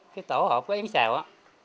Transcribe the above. cái tổ hộp có yến xào á